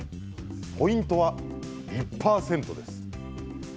ポイントは１％です。